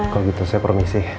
kalau gitu saya permisi